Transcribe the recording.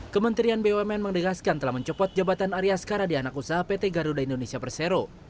kementerian bumn mendegaskan telah mencopot jabatan arya skara di anak usaha pt garuda indonesia persero